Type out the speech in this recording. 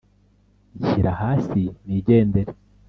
nshyira hasi nigendere”